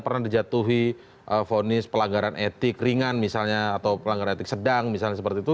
pernah dijatuhi vonis pelanggaran etik ringan misalnya atau pelanggaran etik sedang misalnya seperti itu